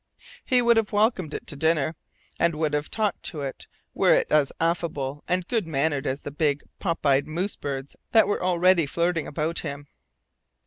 He would have welcomed it to dinner, and would have talked to it were it as affable and good mannered as the big pop eyed moose birds that were already flirting about near him.